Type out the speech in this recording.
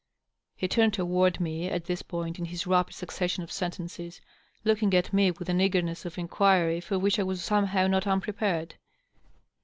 He turned toward me at this point in his rapid succession of sentences, looking at me with an eager ness of inquiry for which I was somehow not unprepared.